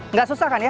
nggak susah kan ya